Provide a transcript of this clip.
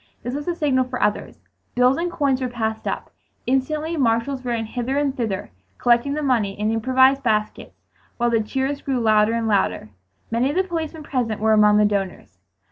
This was the signal for others. Bills and coins were passed up. Instantly marshals ran hither and thither collecting the money in improvised baskets while the cheers grew louder and louder. Many of the policemen present were among the donors.